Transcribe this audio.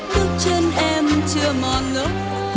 nước chân em chưa mò ngớp